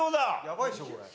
やばいでしょこれ。